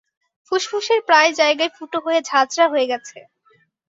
ফুসফুসের প্রায় জায়গাই ফুটো হয়ে ঝাঁঝরা হয়ে গেছে।